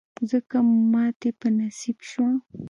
ځکه مو ماتې په نصیب شوه.